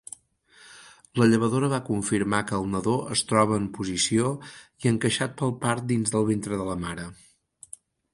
La llevadora va confirmar que el nadó es troba en posició i encaixat pel part dins del ventre de la mare.